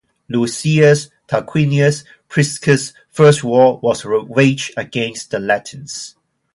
Lucius Tarquinius Priscus' first war was waged against the Latins.